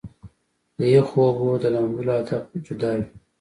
د يخو اوبو د لامبلو هدف جدا وي -